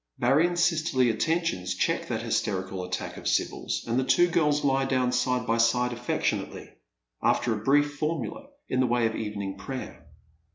Marion's sisterly attentions check that hysteiical attack of Sibyl's, and the two girls lie down side by side alfectiouately, after a brief formula in the way of evening prayer.